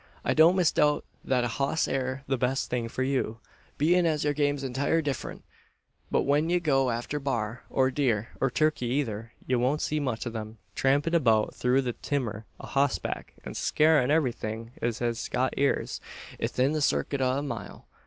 I don't misdoubt that a hoss air the best thing for you bein' as yur game's entire different. But when ye go arter baar, or deer, or turkey eyther, ye won't see much o' them, trampin' about through the timmer a hossback, an scarrin' everythin' es hes got ears 'ithin the circuit o' a mile.